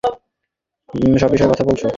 চলে আসো কি সব বিষয়ে কথা বলছো?